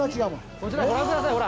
こちらご覧くださいほら。